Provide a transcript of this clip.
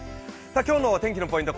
今日の天気のポイント